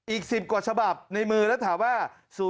อีก๑๐กว่าฉบับในมือแล้วถามว่า